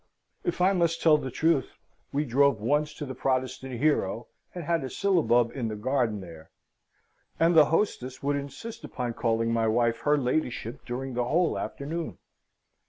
If I must tell the truth, we drove once to the Protestant Hero and had a syllabub in the garden there: and the hostess would insist upon calling my wife her ladyship during the whole afternoon.